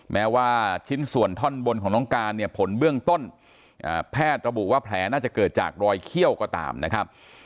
แม้ว่าชิ้นส่วนท่อนบนของน้องการเนี่ยผลเบื้องต้นแพทย์ระบุว่าแผลน่าจะเกิดจากรอยเขี้ยวก็ตามนะครับ